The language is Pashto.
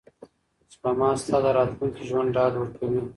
سپما ستا د راتلونکي ژوند ډاډ ورکوي.